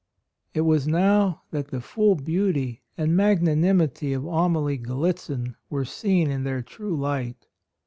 It was now that the full beauty and magnanimity of Amalie Gallitzin were seen in their true light.